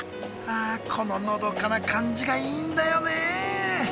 あこののどかな感じがいいんだよね。